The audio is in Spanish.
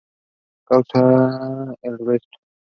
Casual en el resto.